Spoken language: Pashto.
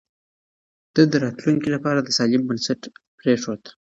ده د راتلونکي لپاره سالم بنسټ پرېښود.